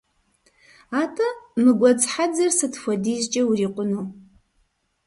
АтӀэ, мы гуэдз хьэдзэр сыт хуэдизкӀэ урикъуну?